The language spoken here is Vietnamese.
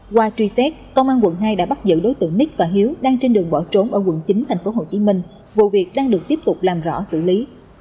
qua truy xét công an quận hai đã bắt giữ đối tượng ních và hiếu đang trên đường bỏ trốn ở quận chín tp hcm vụ việc đang được tiếp tục làm rõ xử lý